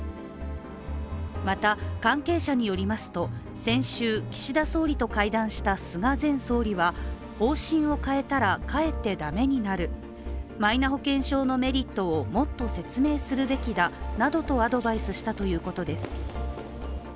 また関係者によりますと先週、岸田総理と会談した菅前総理は方針を変えたらかえってダメになるマイナ保険証のメリットをもっと説明するべきだなどとアドバイスしたということです。